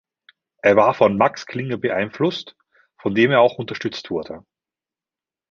Er war von Max Klinger beeinflusst, von dem er auch unterstützt wurde.